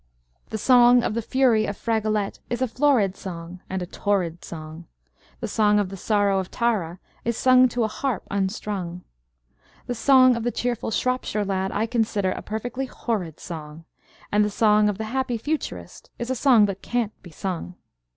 The song of the fury of Fragolette is a florid song and a torrid song, The song of the sorrow of Tara is sung to a harp unstrung, The song of the cheerful Shropshire Lad I consider a perfectly horrid song, And the song of the happy Futurist is a song that can't be sung.